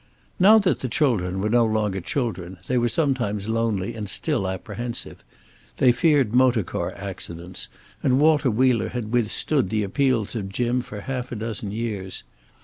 Now that the children were no longer children, they were sometimes lonely and still apprehensive. They feared motor car accidents, and Walter Wheeler had withstood the appeals of Jim for a half dozen years.